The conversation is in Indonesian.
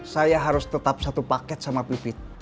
saya harus tetap satu paket sama pivit